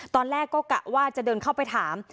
ตอนแรกก็กะว่าจะเดินเข้าไปถาม